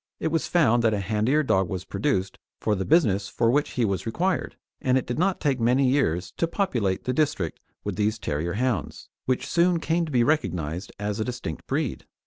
It was found that a handier dog was produced for the business for which he was required, and it did not take many years to populate the district with these terrier hounds, which soon came to be recognised as a distinct breed.